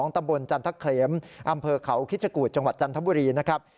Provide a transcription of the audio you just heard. ตำบลจันทะเขลมอำเภอเขาคิชกูธจังหวัดจันทบุรีนะครับ